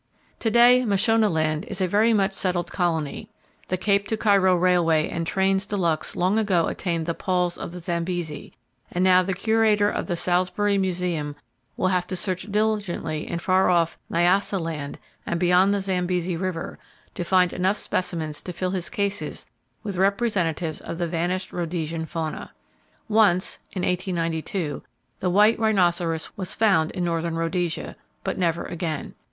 To day, Mashonaland is a very much settled colony. The Cape to Cairo railway and trains de luxe long ago attained the Palls of the Zambesi, and now the Curator of the Salisbury Museum will have to search diligently in far off Nyassaland, and beyond the Zambesi River, to find enough specimens to fill his cases with representatives of the vanished Rhodesian fauna. Once (1892) the white rhinoceros was found in northern Rhodesia; but never again.